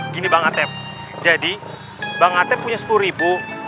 gini bang ateb jadi bang ateb punya sepuluh ribu